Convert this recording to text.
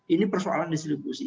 ini persoalan distribusi